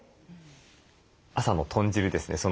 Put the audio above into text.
朝の豚汁ですね